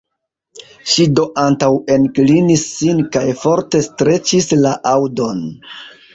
Ŝi do antaŭenklinis sin kaj forte streĉis la aŭdon.